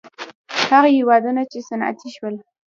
هغه هېوادونه چې صنعتي شول.